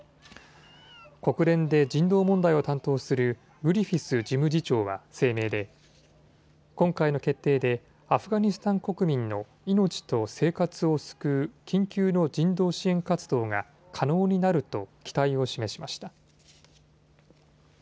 国連で人道問題を担当するグリフィス事務次長は声明で今回の決定でアフガニスタン国民の命と生活を救う緊急の人道支援活動が可能になると期待を示しました。